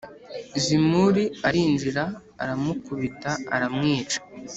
Zimuri arinjira aramukubita aramwica